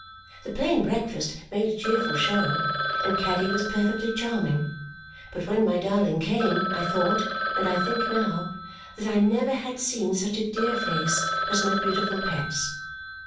The plain breakfast made a cheerful show, and Caddy was perfectly charming. But when my darling came, I thought and I think now that I never had seen such a dear face as my beautiful pet's.